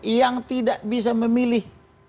yang tidak bisa memilih